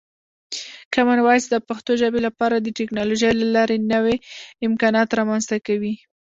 کامن وایس د پښتو ژبې لپاره د ټکنالوژۍ له لارې نوې امکانات رامنځته کوي.